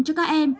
cho các em